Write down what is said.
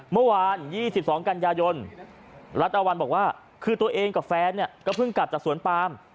เมื่อวาน๒๒กันยาวยนต์รัฐวันบอกว่าตัวเองกับแฟนก็พึ่งกลับจากสวนปราม